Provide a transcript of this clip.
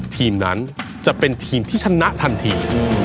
ทีมนั้นจะเป็นทีมที่ชนะทันที